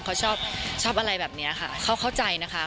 เขาชอบชอบอะไรแบบนี้ค่ะเขาเข้าใจนะคะ